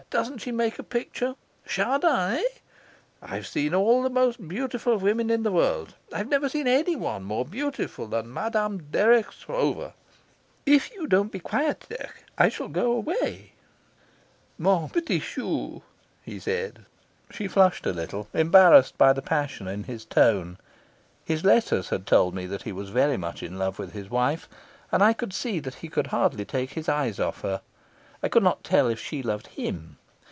Doesn't she make a picture? Chardin, eh? I've seen all the most beautiful women in the world; I've never seen anyone more beautiful than Madame Dirk Stroeve." "If you don't be quiet, Dirk, I shall go away." , he said. She flushed a little, embarrassed by the passion in his tone. His letters had told me that he was very much in love with his wife, and I saw that he could hardly take his eyes off her. I could not tell if she loved him.